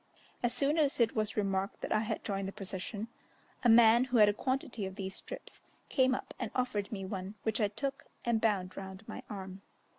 As soon as it was remarked that I had joined the procession, a man who had a quantity of these strips, came up and offered me one, which I took and bound round my arm.